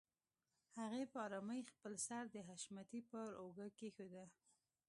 هغې په آرامۍ خپل سر د حشمتي پر اوږه کېښوده.